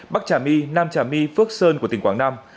bắc trà my nam trà my phước sơn của tỉnh quảng nam